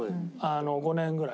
５年ぐらい。